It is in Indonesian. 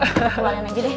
kita keluarin aja deh